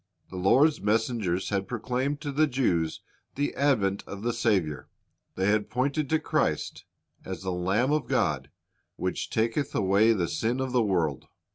The Lord's messengers had proclaimed to the Jews the advent of the Saviour; they had pointed to Christ as "the Lamb of God, which taketh away the sin of the world."